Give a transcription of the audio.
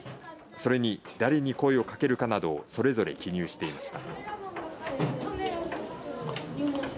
それに誰に声をかけるかなどをそれぞれ記入していました。